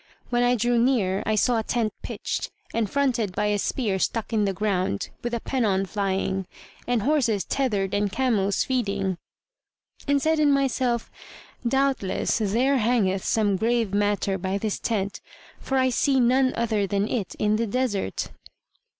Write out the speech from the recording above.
When I drew near, I saw a tent pitched, and fronted by a spear stuck in the ground, with a pennon flying[FN#131] and horses tethered and camels feeding, and said in myself, "Doubtless there hangeth some grave matter by this tent, for I see none other than it in the desert."